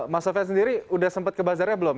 mas sofya sendiri udah sempat ke bazarnya belum